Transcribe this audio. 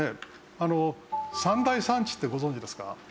あの３大産地ってご存じですか？